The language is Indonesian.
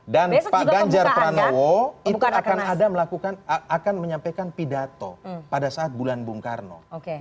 dan pak ganjar pranowo akan menyampaikan pidato pada saat bulan bung karno